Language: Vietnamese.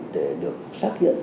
để được xác hiện